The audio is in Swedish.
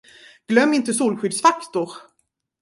Glöm inte solskyddsfaktor!